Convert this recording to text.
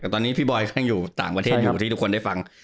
แต่ตอนนี้พี่บอยก็ยังอยู่ต่างประเทศอยู่ที่ทุกคนได้ฟัง